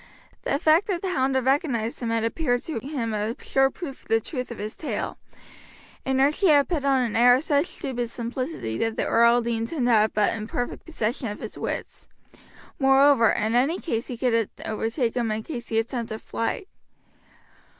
The fact that the hound had recognized him had appeared to him a sure proof of the truth of his tale, and Archie had put on an air of such stupid simplicity that the earl deemed him to have but imperfect possession of his wits. Moreover, in any case he could overtake him in case he attempted flight.